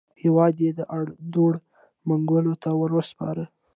هېواد یې د اړدوړ منګولو ته وروسپاره.